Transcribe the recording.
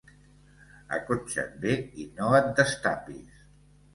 Acotxa't bé i no et destapis.